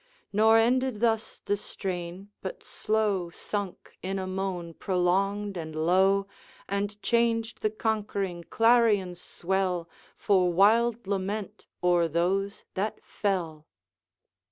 Nor ended thus the strain, but slow Sunk in a moan prolonged and low, And changed the conquering clarion swell For wild lament o'er those that fell.